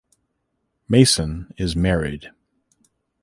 Mason is married.